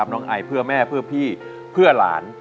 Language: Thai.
น้องไอเพื่อแม่เพื่อพี่เพื่อหลาน